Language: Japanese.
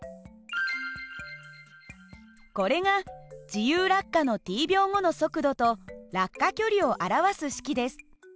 これが自由落下のｔ秒後の速度と落下距離を表す式です。